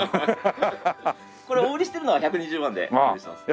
これお売りしてるのは１２０万でお売りしてます。